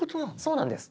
そうなんです。